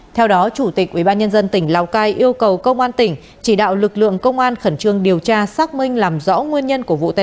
theo đó chủ tịch ubnd tỉnh lào cai yêu cầu công an tỉnh chỉ đạo lực lượng công an khẩn trương điều tra xác minh làm rõ nguyên nhân của vụ tai nạn